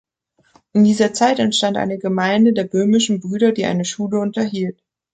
In dieser Zeit entstand eine Gemeinde der Böhmischen Brüder, die eine Schule unterhielt.